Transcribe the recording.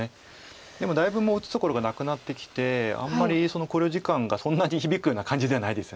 でもだいぶもう打つところがなくなってきてあんまり考慮時間がそんなに響くような感じではないです。